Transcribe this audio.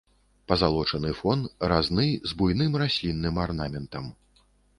Пазалочаны фон, разны, з буйным раслінным арнаментам.